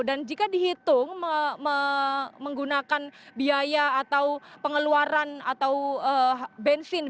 dan jika dihitung menggunakan biaya atau pengeluaran atau bensin begitu yang harus dihabiskan tentunya ini jauh lebih hemat dibandingkan jika